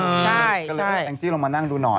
ใช่ก็เลยให้แองจี้ลงมานั่งดูหน่อย